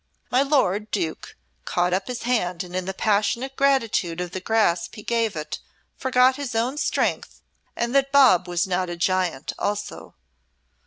'" My lord Duke caught his hand and in the passionate gratitude of the grasp he gave it forgot his own strength and that Bob was not a giant also.